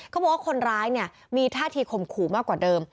เขาบอกว่าคนร้ายเนี่ยมีท่าทีข่มขู่มากกว่าเดิม